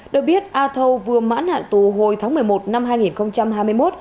được biết a thâu vừa mãn hạn tù hồi tháng một mươi một năm hai nghìn hai mươi một